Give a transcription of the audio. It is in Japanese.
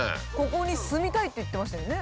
「ここに住みたい」って言ってましたよね。